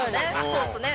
そうっすね。